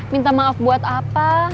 minta maaf buat apa